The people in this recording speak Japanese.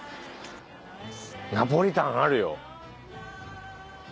ナポリタンあるよ。